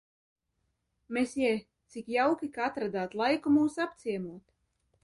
Mesjē, cik jauki, ka atradāt laiku mūs apciemot!